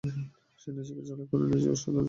সে নিজেকে ঝালাই করে একজন অসাধারণ ছেলে হিসেবে গড়েছে।